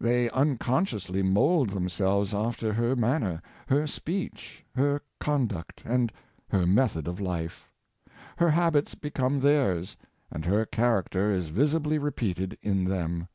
They unconsciously mould themselves after her man ner, her speech, her conduct, and her method of life. Her habits become theirs; and her character is visibly repeated in them.